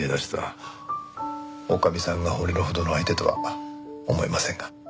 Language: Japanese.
女将さんが惚れるほどの相手とは思えませんが。